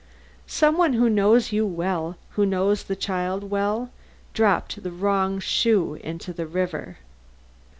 "Some one who knows you well, who knows the child well, dropped the wrong shoe into the river."